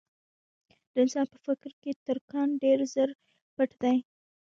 د انسان په فکر کې تر کان ډېر زر پټ دي.